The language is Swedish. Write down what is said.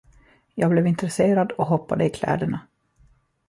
Jag blev intresserad och hoppade i kläderna.